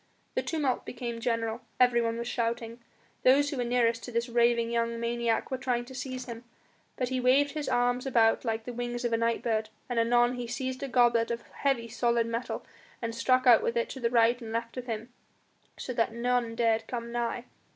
The tumult became general; everyone was shouting. Those who were nearest to this raving young maniac were trying to seize him, but he waved his arms about like the wings of a night bird, and anon he seized a goblet of heavy solid metal and struck out with it to the right and left of him, so that none dared come nigh.